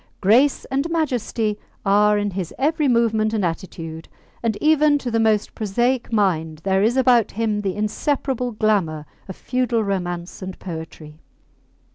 Grace and majesty are in his every movement and attitude, and even to the most prosaic mind there is about him the inseparable glamour of feudal romance and poetry.